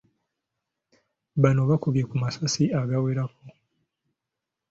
Bano baakubye ku masasi agawerako.